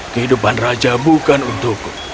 kehidupan raja bukan untukku